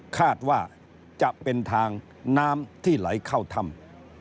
คาดว่าจะเป็นทางน้ำที่ไหลเข้าถ้ำ